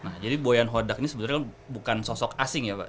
nah jadi boyan hodak ini sebenarnya bukan sosok asing ya pak